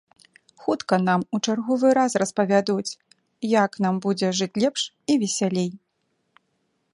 Хутка нам у чарговы раз распавядуць, як нам будзе жыць лепш і весялей.